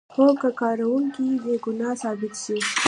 هو که کارکوونکی بې ګناه ثابت شي.